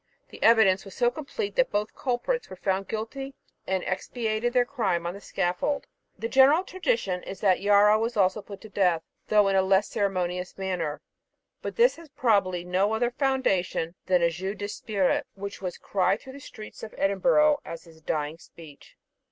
The evidence was so complete, that both culprits were found guilty and expiated their crime on the scaffold. The general tradition is, that Yarrow was also put to death, though in a less ceremonious manner; but this has probably no other foundation than a jeu d'esprit, which was cried through the streets of Edinburgh as his dying speech.